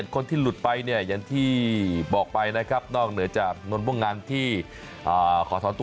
คนที่หลุดไปเนี่ยอย่างที่บอกไปนะครับนอกเหนือจากนนม่วงงานที่ขอถอนตัว